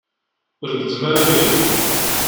Ur gezzem ara abrid.